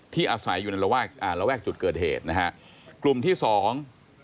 อาศัยอยู่ในระแวกอ่าระแวกจุดเกิดเหตุนะฮะกลุ่มที่สอง